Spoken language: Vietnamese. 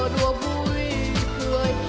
đùa vui cười